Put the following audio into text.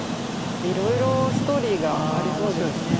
いろいろストーリーがありそうですね。